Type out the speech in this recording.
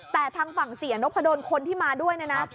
แต่ทางฝั่งเสียนพดลคนที่มาด้วยเนี่ยนะ